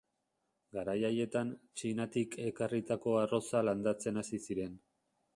Garai haietan, Txinatik ekarritako arroza landatzen hasi ziren.